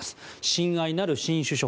親愛なる新首相